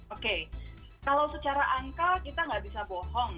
oke kalau secara angka kita nggak bisa bohong